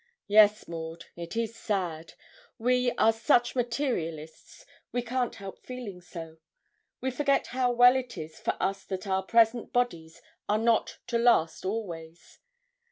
Yes, Maud, it is sad. We are such materialists, we can't help feeling so. We forget how well it is for us that our present bodies are not to last always.